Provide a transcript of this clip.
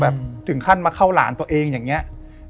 ถึงขั้นมาเข้าหลานตัวเองอย่างนี้